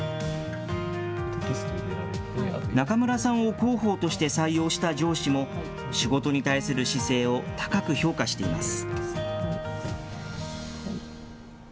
中村さんを広報として採用した上司も、仕事に対する姿勢を高く評価しています。